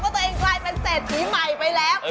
ตัวเองกลายเป็นเศรษฐีใหม่ไปแล้ว